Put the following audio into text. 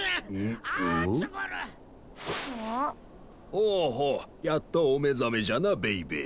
ほうほうやっとお目覚めじゃなベイベー。